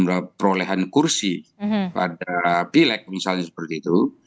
ada perolehan kursi pada pileg misalnya seperti itu